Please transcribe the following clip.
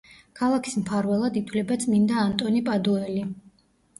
ქალაქის მფარველად ითვლება წმინდა ანტონი პადუელი.